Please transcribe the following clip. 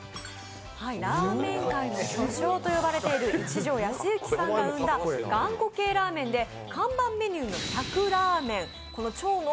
ラーメン界の巨匠と呼ばれている一条安雪さんが生んだ、がんこ系ラーメンで看板メニューの１００ラーメン。